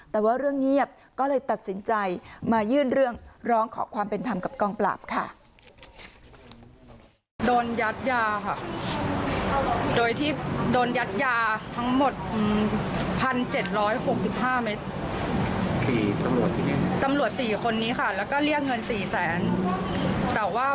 แต่ว่าเรื่องเงียบก็เลยตัดสินใจมายื่นเรื่องร้องขอความเป็นธรรมกับกองปราบค่ะ